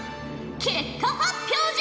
結果発表じゃ！